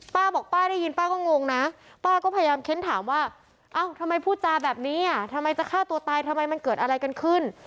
ป้าบอกป้าได้ยินป้าก็งงนะป้าก็พยายามเค้นถามว่าเอ้าทำไมพูดจาแบบนี้อ่ะทำไมจะฆ่าตัวตายทำไมมันเกิดอะไรกันขึ้น